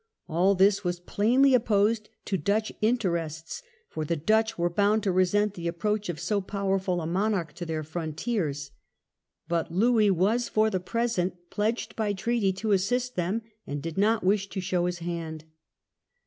All this was plainly opposed to Dutch interests, for the Dutch were bound to resent the approach of so powerful a monarch to their frontiers.* But Louis was, for the present, pledged by treaty to assist them, and did not wish to show his hand.